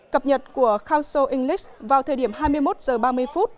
cập nhật của council english vào thời điểm hai mươi một h ba mươi phút